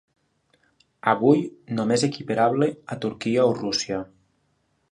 Avui, només equiparable a Turquia o Rússia.